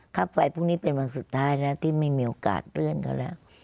ค่าไฟพรุ่งนี้เป็นวันสุดท้ายแล้วที่ไม่มีโอกาสเลื่อนเขาแล้ว